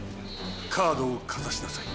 カードをかざしなさい。